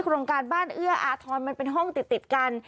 โรงการบ้านเอื้ออาทรมันเป็นห้องติดกัน